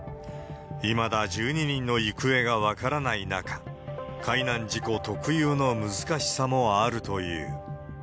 いまだ１２人の行方が分からない中、海難事故特有の難しさもあるという。